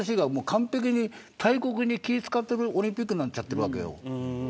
それは、ＩＯＣが完璧に大国に気を使ってるオリンピックになっちゃってるわけよ。